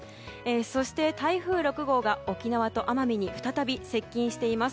そして台風６号が沖縄と奄美に再び接近しています。